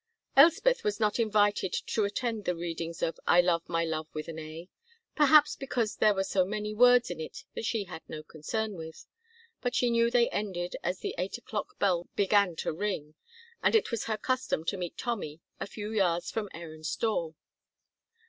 Elspeth was not invited to attend the readings of "I Love My Love with an A," perhaps because there were so many words in it that she had no concern with, but she knew they ended as the eight o'clock bell began to ring, and it was her custom to meet Tommy a few yards from Aaron's door.